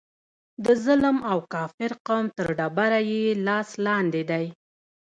د ظلم او کافر قوم تر ډبره یې لاس لاندې دی.